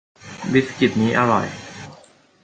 บิสกิตอันนี้อร่อย